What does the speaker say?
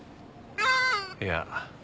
いや。